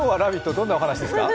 どんなお話ですか？